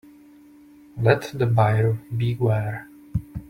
Let the buyer beware.